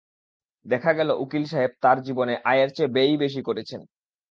দেখা গেল উকিল সাহেব তাঁর জীবনে আয়ের চেয়ে ব্যয়ই বেশি করেছেন।